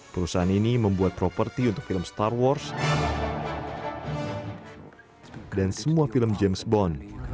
perusahaan ini membuat properti untuk film star wars dan semua film james bond